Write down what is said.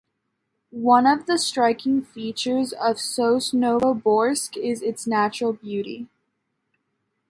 One of the striking features of Sosnovoborsk is its natural beauty.